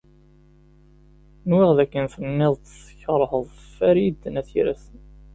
Nwiɣ dakken tenniḍ-d tkeṛheḍ Farid n At Yiraten.